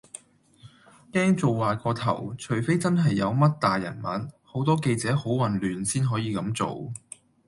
驚做壞個頭，除非真係有乜大人物，好多記者好混亂先可以咁做